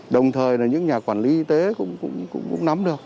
đồng thời là những nhà quản lý y tế cũng nắm được